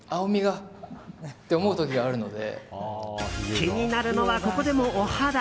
気になるのは、ここでもお肌。